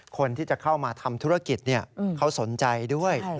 คนที่จะเข้ามาทำธุรกิจเขาสนใจด้วย